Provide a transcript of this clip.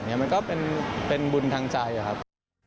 มันก็เป็นบุญทางใจครับ